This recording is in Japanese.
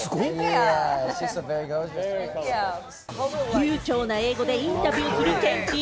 流ちょうな英語でインタビューするケンティー。